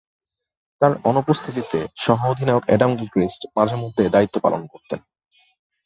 তার অনুপস্থিতিতে সহঃ অধিনায়ক অ্যাডাম গিলক্রিস্ট মাঝে-মধ্যে এ দায়িত্ব পালন করতেন।